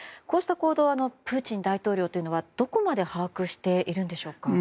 こうした行動、プーチン大統領はどこまで把握しているんでしょうか？